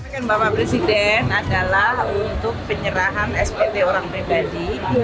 kebijakan bapak presiden adalah untuk penyerahan spt orang pribadi